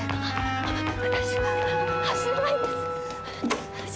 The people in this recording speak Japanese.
私走れないんです。